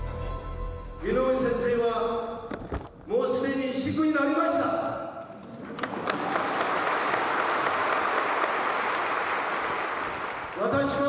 井上先生は、もうすでにシックになりました。